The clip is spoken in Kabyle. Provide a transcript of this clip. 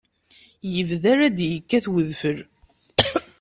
Yebda la d-yekkat udfel.